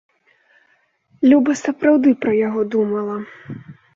Люба сапраўды пра яго думала.